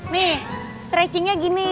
nih stretchingnya gini